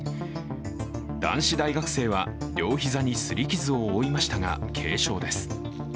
男子大学生は両膝にすり傷を負いましたが、軽傷です。